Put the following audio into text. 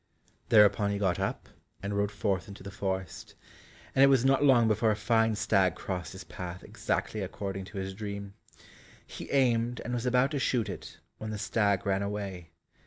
Thereupon he got up, and rode forth into the forest, and it was not long before a fine stag crossed his path exactly according to his dream. He aimed and was about to shoot it, when the stag ran away.